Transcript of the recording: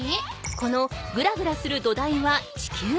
このぐらぐらする土台は地球。